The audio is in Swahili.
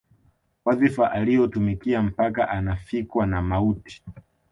Wadhifa alioutumikia mpaka anafikwa na mauti